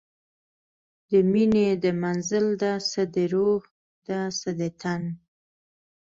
د میینې د منزل ده، څه د روح ده څه د تن